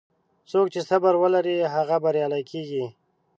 څوک چې صبر ولري، هغه بریالی کېږي.